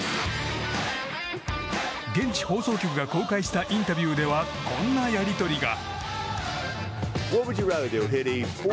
現地放送局が公開したインタビューではこんなやり取りが。